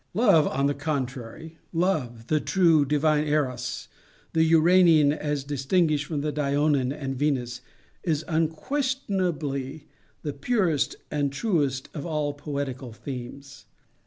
Love, on the contrary—Love—the true, the divine Eros—the Uranian as distinguished from the Diona an Venus—is unquestionably the purest and truest of all poetical themes.